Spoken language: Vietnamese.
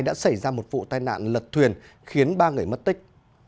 đã xảy ra một vụ tai nạn lật thuyền khiến ba người mất tích